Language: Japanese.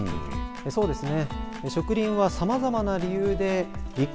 そうですね。